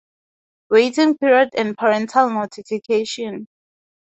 Waiting Period and Parental Notification.